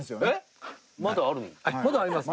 まだあります。